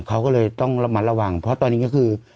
เขาก็เลยต้องระมัดระวังเพราะตอนนี้ก็คือ